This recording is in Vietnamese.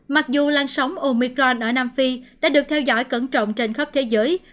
mặc dù lan sóng omicron ở nam phi đã được theo dõi cẩn trọng trên khắp thế giới